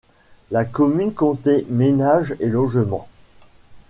La commune comptait ménages et logements.